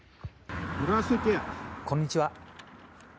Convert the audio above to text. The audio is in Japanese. こんにちは。